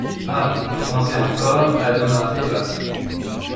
Ah! vous pensez encore à don Orteva !...